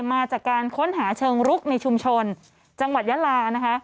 มาจากการค้นหาเชิงรุกในชุมชนจังหวัดยาลานะคะ